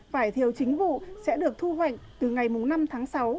vải thiều chính vụ sẽ được thu hoạch từ ngày năm tháng sáu